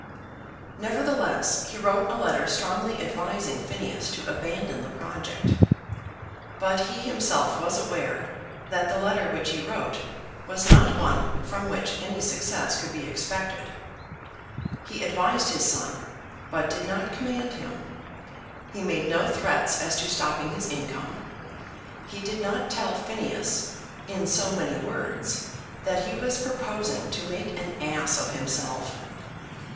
Nevertheless he wrote a letter strongly advising Phineas to abandon the project. But he himself was aware that the letter which he wrote was not one from which any success could be expected. He advised his son, but did not command him. He made no threats as to stopping his income. He did not tell Phineas, in so many words, that he was proposing to make an ass of himself.